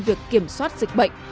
việc kiểm soát dịch bệnh